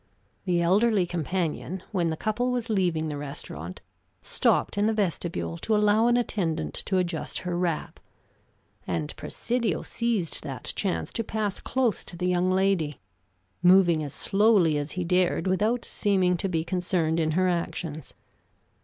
The elderly companion, when the couple was leaving the restaurant, stopped in the vestibule to allow an attendant to adjust her wrap, and Presidio seized that chance to pass close to the young lady, moving as slowly as he dared without seeming to be concerned in her actions.